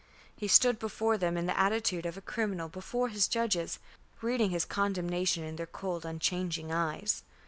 He stood before them in the attitude of a criminal before his judges, reading his condemnation in their cold unchanging eyes.